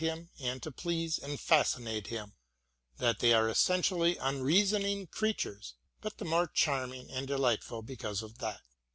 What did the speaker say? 94 WILLIAM GODWIN AND and to please and fascinate him ; that they are essentially unreasoning creatures, but the more charming and delightful because of that.